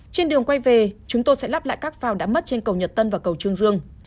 trên đường quay về chúng tôi sẽ lắp lại các phao đã mất trên cầu nhật tân và cầu trương dương